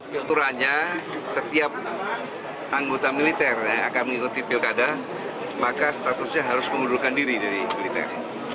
keturannya setiap anggota militer yang akan mengikuti pilkada maka statusnya harus mengundurkan diri dari militer